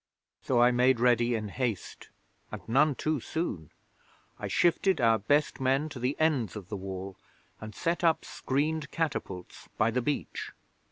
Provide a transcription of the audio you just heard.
So I made ready in haste, and none too soon. I shifted our best men to the ends of the Wall, and set up screened catapults by the beach.